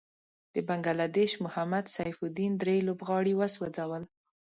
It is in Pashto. د بنګله دېش محمد سيف الدين دری لوبغاړی وسوځل.